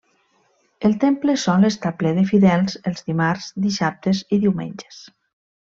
El temple sol estar ple de fidels els dimarts, dissabtes i diumenges.